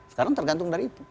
sekarang tergantung dari itu